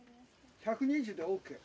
１２０でＯＫ。